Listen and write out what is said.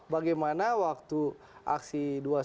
bagaimana waktu aksi dua ratus dua belas